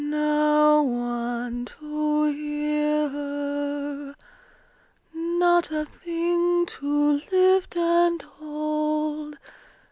No one to hear her! Not a thing to lift and hold!